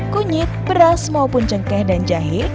kunyit beras maupun cengkeh dan jahe